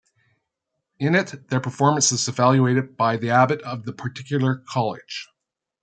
In it their performance is evaluated by the abbot of the particular college.